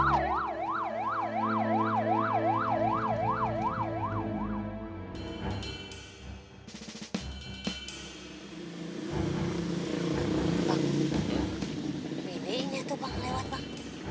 pak milihnya tuh pak lewat pak